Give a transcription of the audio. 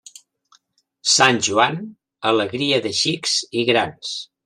Sant Joan, alegria de xics i grans.